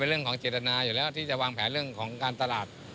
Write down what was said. เป็นเรื่องของเจตนาติแผลและเรื่องตลาด